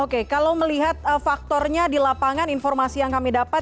oke kalau melihat faktornya di lapangan informasi apa